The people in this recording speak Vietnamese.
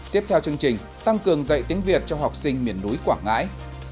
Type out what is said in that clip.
tiếp theo chương trình tăng cường dạy tiếng việt cho học sinh miền núi quảng ngãi